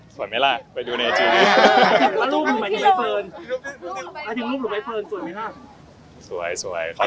สวยเค้าถ่ายดูสวยด้วยก็เริ่มสอนเค้า